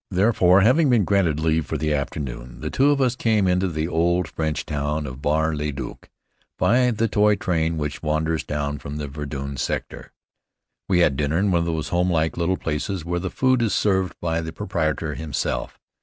Therefore, having been granted leave for the afternoon, the two of us came into the old French town of Bar le Duc, by the toy train which wanders down from the Verdun sector. We had dinner in one of those homelike little places where the food is served by the proprietor himself.